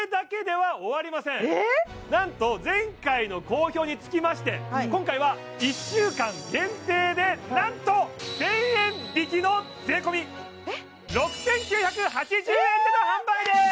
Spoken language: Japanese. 今回何と前回の好評につきまして今回は１週間限定で何と１０００円引きの税込６９８０円での販売でーす！